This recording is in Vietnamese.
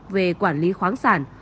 về quản lý khoáng sản